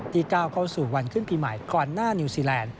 ก้าวเข้าสู่วันขึ้นปีใหม่ก่อนหน้านิวซีแลนด์